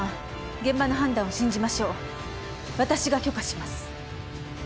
現場の判断を信じましょう私が許可します